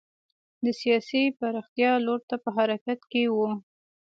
د سیاسي پراختیا لور ته په حرکت کې و.